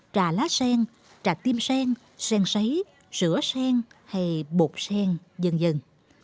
trà lá sen trà tim sen sen sen sấy sữa sen hay bột sen dần dần